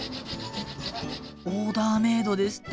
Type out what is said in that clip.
オーダーメードですって。